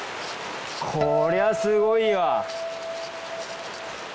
こりゃすごいわ。